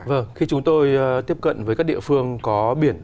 vâng khi chúng tôi tiếp cận với các địa phương có biển